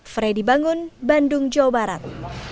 freddy bangun bandung jawa barat